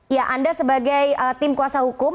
ya anda sebagai tim kuasa hukum